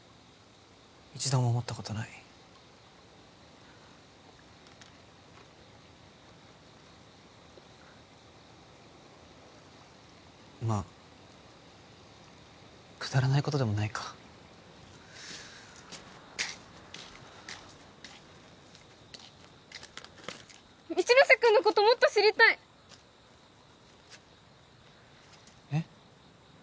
一度も思ったことないまあくだらないことでもないか一ノ瀬君のこともっと知りたいえっ？